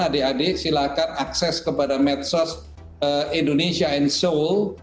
dan adik adik silahkan akses kepada medsos indonesia in seoul